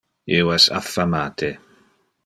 Io es affamate.